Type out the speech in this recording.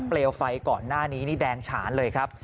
เลวไฟก่อนหน้านี้นี่แดงฉานเลยครับ